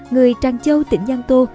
người tràng châu tỉnh nhan tô